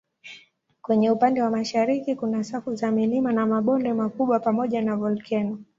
Kwenye upande wa mashariki kuna safu za milima na mabonde makubwa pamoja na volkeno.